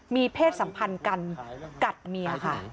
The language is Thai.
มีเพศสัมพันธ์กันกัดเมียค่ะ